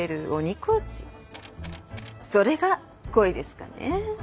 コーチそれが恋ですかね。